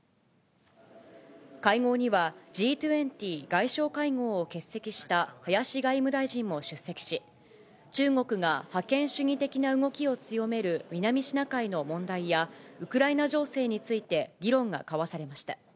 会合には、Ｇ２０外相会合を欠席した林外務大臣も出席し、中国が覇権主義的な動きを強める南シナ海の問題や、ウクライナ情勢について、議論が交わされました。